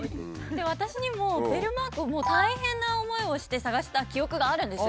私にもベルマークをもう大変な思いをして探した記憶があるんです。